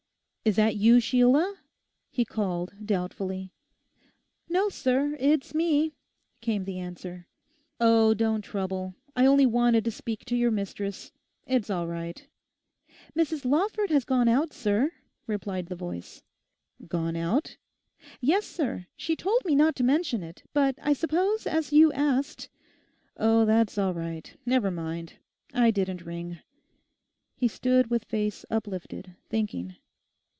'Is that you, Sheila?' he called, doubtfully. 'No, sir, it's me,' came the answer. 'Oh, don't trouble; I only wanted to speak to your mistress. It's all right.' 'Mrs. Lawford has gone out, sir,' replied the voice. 'Gone out?' 'Yes, sir; she told me not to mention it; but I suppose as you asked—' 'Oh, that's all right; never mind; I didn't ring.' He stood with face uplifted, thinking.